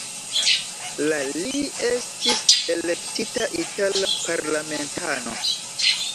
La li estis elektita itala parlamentano.